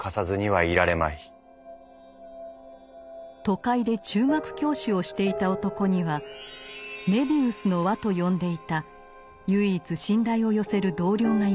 都会で中学教師をしていた男には「メビウスの輪」と呼んでいた唯一信頼を寄せる同僚がいました。